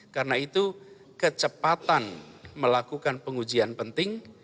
karena itu kecepatan melakukan pengujian penting